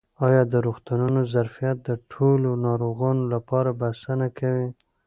آیا د روغتونونو ظرفیت د ټولو ناروغانو لپاره بسنه کوي؟